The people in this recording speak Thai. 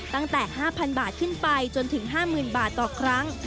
ตั้งแต่๕๐๐บาทขึ้นไปจนถึง๕๐๐๐บาทต่อครั้ง